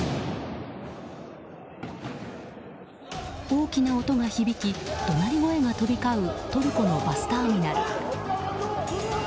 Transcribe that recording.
大きな音が響き怒鳴り声が飛び交うトルコのバスターミナル。